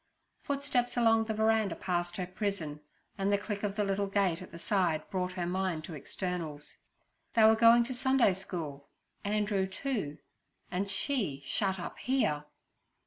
Footsteps along the veranda past her prison and the click of the little gate at the side brought her mind to externals. They were going to Sunday school—Andrew too, and she shut up here.